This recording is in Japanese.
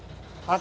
あ！